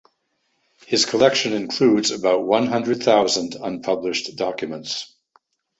His collection includes about one hundred thousand unpublished documents.